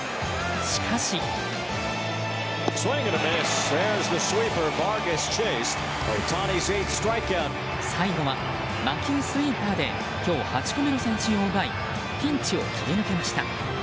しかし、最後は魔球スイーパーで今日８個目の三振を奪いピンチを切り抜けました。